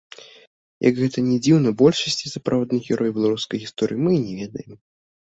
Як гэта ні дзіўна, большасці сапраўдных герояў беларускай гісторыі мы і не ведаем.